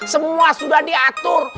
semua sudah diatur